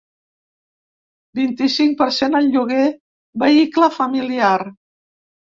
Vint-i-cinc per cent al llogar vehicle familiar.